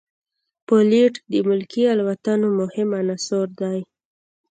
پیلوټ د ملکي الوتنو مهم عنصر دی.